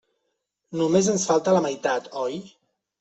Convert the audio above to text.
Només ens en falta la meitat, oi?